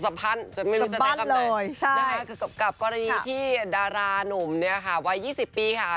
ไม่รู้จะได้คำไหนนะคะกับกรณีที่ดารานุ่มเนี่ยค่ะวัย๒๐ปีค่ะ